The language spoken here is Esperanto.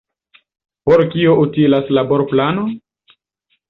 Por kio utilas laborplano?